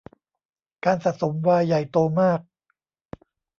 การสะสมไวน์ใหญ่โตมาก